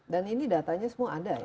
dan ini datanya semua ada ya